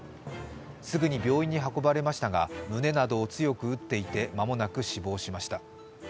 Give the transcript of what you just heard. すぐに病院に運ばれましたが胸などを強く打っていて、間もなく死亡しました。